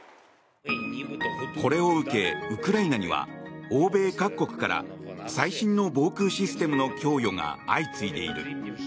これを受け、ウクライナには欧米各国から最新の防空システムの供与が相次いでいる。